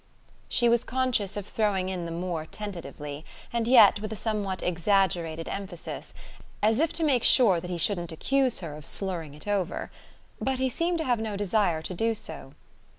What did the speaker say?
She was conscious of throwing in the moor tentatively, and yet with a somewhat exaggerated emphasis, as if to make sure that he shouldn't accuse her of slurring it over. But he seemed to have no desire to do so.